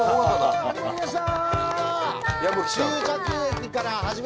始まりました！